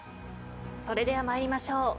それでは参りましょう。